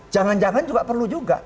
jangan jangan juga perlu juga